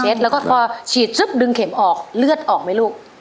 แล้วก็พอฉีดซึบดึงเข็มออกเลือดออกไหมลูก